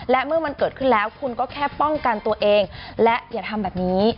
และเมื่อมันเกิดขึ้นแล้วคุณก็แค่ป้องกันตัวเองและอย่าทำแบบนี้